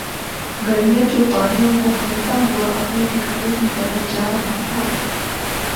گڈریا چوپایوں کو ہانکتا ہوا اپنے ٹھکانے کی طرف جا رہا تھا۔